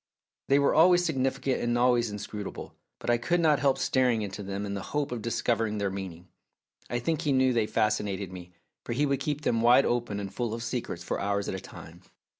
They were always significant and always inscru table, but I could not help staring into them in the hope of discovering their meaning. I think he knew they fascinated me, for he would keep them wide open and full of secrets for hours at a time.